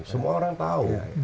semua orang tau